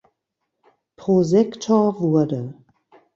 Prosektor wurde.